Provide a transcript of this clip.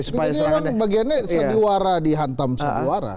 ini memang bagiannya sandiwara dihantam sandiwara